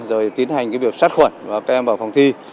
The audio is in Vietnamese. rồi tiến hành cái việc sát khuẩn và các em vào phòng thi